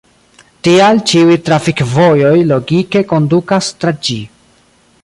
Tial ĉiuj trafikvojoj logike kondukas tra ĝi.